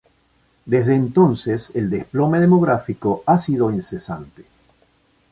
Desde entonces el desplome demográfico ha sido incesante.